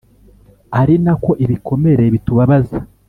ari na ko ibikomere bitubabaza